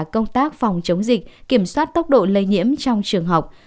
công tác phòng chống dịch kiểm soát tốc độ lây nhiễm trong trường học